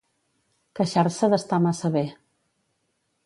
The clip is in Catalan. Queixar-se d'estar massa bé.